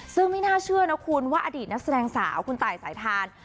ซึ่งไม่น่าเชื่อนะคุณว่าอดีตนักแสดงสาวคุณตายสายทาน